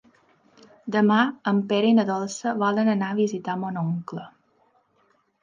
Demà en Pere i na Dolça volen anar a visitar mon oncle.